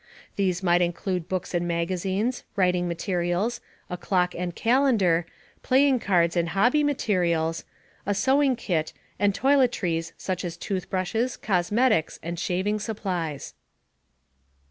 These might include books and magazines, writing materials, a clock and calendar, playing cards and hobby materials, a sewing kit, and toiletries such as toothbrushes, cosmetics, and shaving supplies.